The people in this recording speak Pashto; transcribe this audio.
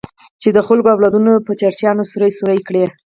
چې د خلکو اولادونه په چړيانو سوري سوري کړي.